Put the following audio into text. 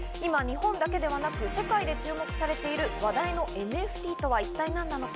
今、日本だけでなく世界で注目されている話題のＮＦＴとは一体何なのか？